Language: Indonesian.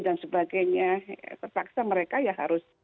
dan sebagainya terpaksa mereka ya harus